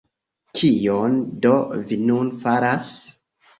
Kion do vi nun faras?